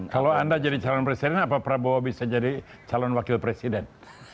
kalau anda jadi calon presiden apa prabowo bisa jadi calon wakil presiden